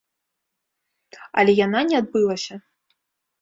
Але яна не адбылася.